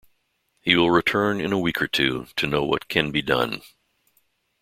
He will return in a week or two, to know what can be done.